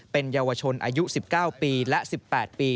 เป็นเยาวชนอายุ๑๙ปีและ๑๘ปี